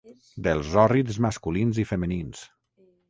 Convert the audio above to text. Dels hòrrids masculins i femenins!